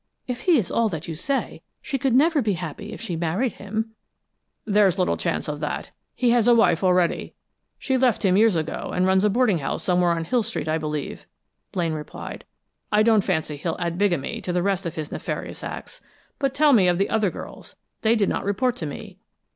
If she is all that you say, she could never be happy if she married him." "There's small chance of that. He has a wife already. She left him years ago, and runs a boarding house somewhere on Hill Street, I believe," Blaine replied. "I don't fancy he'll add bigamy to the rest of his nefarious acts. But tell me of the other girls. They did not report to me."